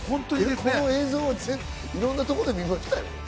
この映像をいろんなところで見ましたよ。